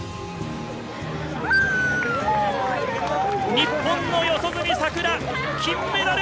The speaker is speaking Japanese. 日本の四十住さくら金メダル！